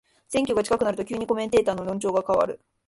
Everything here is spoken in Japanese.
選挙が近くなると急にコメンテーターの論調が変わる